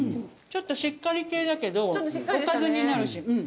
ちょっとしっかり系だけどおかずになるし。